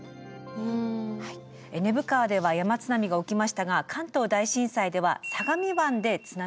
根府川では山津波が起きましたが関東大震災では相模湾で津波も発生しました。